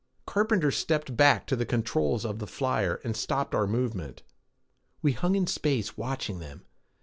Carpenter stepped back to the controls of the flyer and stopped our movement; we hung in space, watching them.